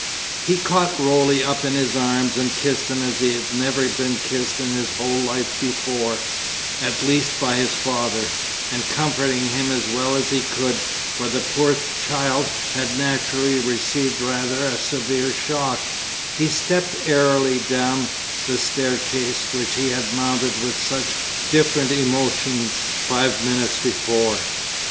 He caught Roly up in his arms and kissed him as he had never been kissed in his whole life before, at least by his father, and comforting him as well as he could, for the poor child had naturally received rather a severe shock, he stepped airily down the staircase, which he had mounted with such different emotions five minutes before.